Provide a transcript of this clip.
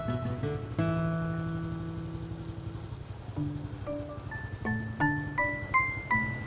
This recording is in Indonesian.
aku mau ke rumah